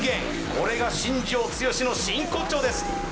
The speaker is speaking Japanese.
これが新庄剛志の真骨頂です